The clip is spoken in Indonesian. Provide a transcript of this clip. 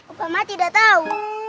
upama tidak tahu